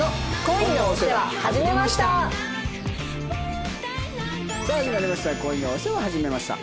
『恋のお世話始めました』。